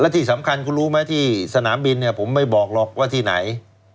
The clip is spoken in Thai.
ที่สำคัญคุณรู้ไหมที่สนามบินเนี่ยผมไม่บอกหรอกว่าที่ไหน